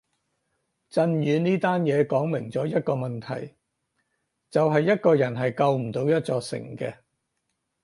震宇呢單嘢講明咗一個問題就係一個人係救唔到一座城嘅